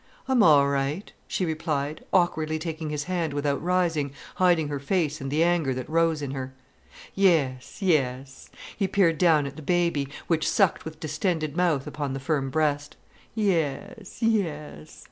"I'm all right," she replied, awkwardly taking his hand without rising, hiding her face and the anger that rose in her. "Yes—yes"—he peered down at the baby, which sucked with distended mouth upon the firm breast. "Yes, yes."